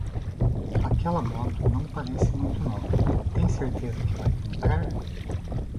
Aquela moto não parece muito nova. Tem certeza que vai comprar?